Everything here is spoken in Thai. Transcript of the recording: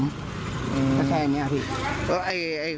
ก็แค่นี้พี่